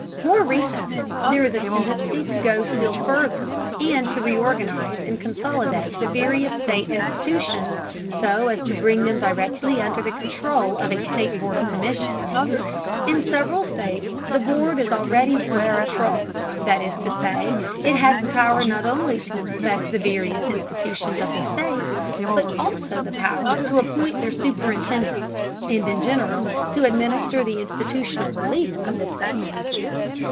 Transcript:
More recently, there is a tendency to go still further, and to reorganize and consolidate the various state institutions so as to bring them directly under the control of a state board or commission. In several states the board is already one of control, that is to say, it has the power not only to inspect the various institutions of the state, but also the power to appoint their superintendents, and, in general, to administer the institutional relief of the state.